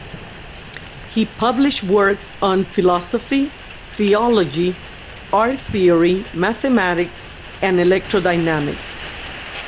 He published works on philosophy, theology, art theory, mathematics and electrodynamics.